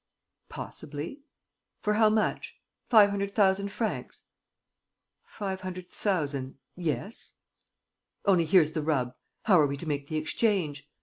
"Possibly." "For how much? Five hundred thousand francs?" "Five hundred thousand ... yes." "Only, here's the rub: how are we to make the exchange?